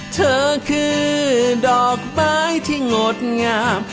เธอคือดอกไม้ที่งดงาม